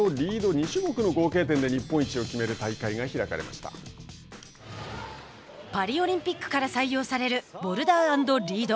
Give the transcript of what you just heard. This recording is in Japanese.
２種目の合計点で日本一を決める大会がパリオリンピックから採用されるボルダー＆リード。